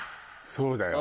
そうだよ。